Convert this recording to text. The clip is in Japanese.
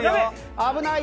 危ない。